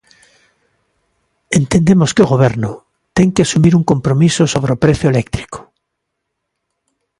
Entendemos que o Goberno ten que asumir un compromiso sobre o prezo eléctrico.